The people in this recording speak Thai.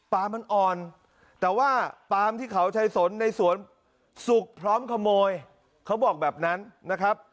มันอ่อนแต่ว่าปลามที่เขาชายสนในสวนสุกพร้อมขโมยเขาบอกแบบนั้นนะครับ